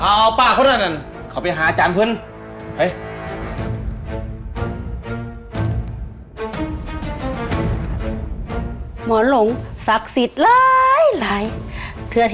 เอาป้าเขานั่นเขาไปหาอาจารย์เพื่อน